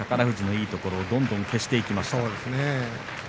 富士のいいところをどんどん消していきました。